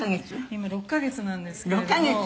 「今６カ月なんですけれども」